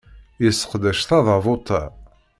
Yesseqdec tadabut-a.